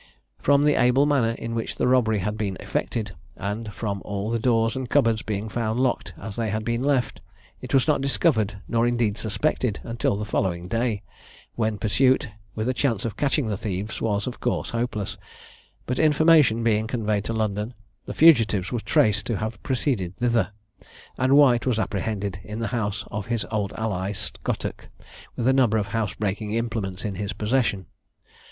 From the able manner in which the robbery had been effected, and from all the doors and cupboards being found locked as they had been left, it was not discovered, nor indeed suspected, until the following day, when pursuit, with a chance of catching the thieves, was of course hopeless; but information being conveyed to London, the fugitives were traced to have proceeded thither, and White was apprehended in the house of his old ally, Scottock, with a number of housebreaking implements in his possession.